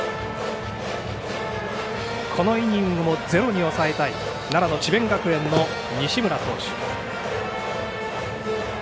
このイニングもゼロに抑えたい奈良の智弁学園の西村投手。